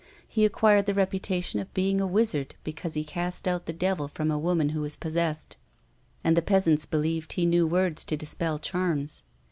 He acquired the reputation of being a wizard because he cast out the devil from a woman who was possessed, and the peasants believed he knew words to dis pel charms.